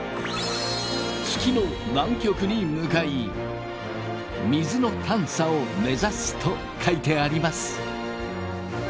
「月の南極に向かい水の探査を目指す」と書いてあります。